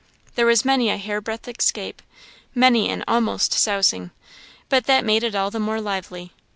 There was many a hair breadth escape; many an almost sousing; but that made it all the more lively.